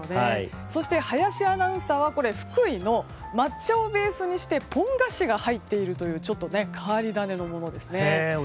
そして林アナウンサーは福井の抹茶をベースにしてポン菓子が入っているというちょっと変わり種のものですね。